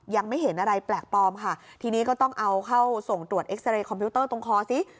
ยังไม่เห็นอะไรแปลกปลอมค่ะทีนี้ก็ต้องเอาเข้าส่งตรวจเอ็กซาเรย์คอมพิวเตอร์ตรงคอซิ